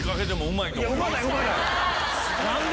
うまないうまない！